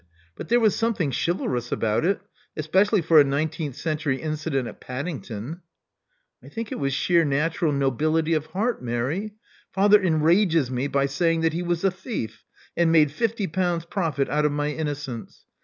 But there was something chivalrous about it, especially for a nineteenth century incident at Paddington." I think it was sheer natural nobility of heart, Mary. Father enrages me by saying that he was a thief, and made fifty pounds profit out of my inno cence.